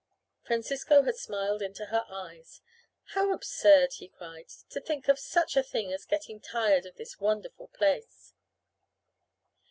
Francisco had smiled into her eyes. "How absurd," he cried, "to think of such a thing as getting tired of this wonderful place!"